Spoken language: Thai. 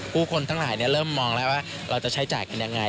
ผู้คนทั้งหลายเริ่มมองแล้วว่าเราจะใช้จ่ายกันยังไง